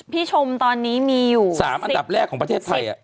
พี่ชมตอนนี้มีอยู่สิบสามอันดับแรกของประเทศไทย